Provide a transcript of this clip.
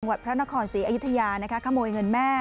พระนครศรีอยุธยาขโมยเงินแม่